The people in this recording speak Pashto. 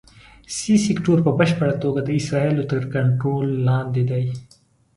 سي سیکټور په بشپړه توګه د اسرائیلو تر کنټرول لاندې دی.